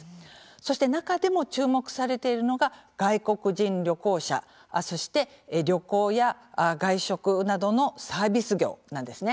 そして中でも注目されているのが外国人旅行者そして旅行や外食などのサービス業なんですね。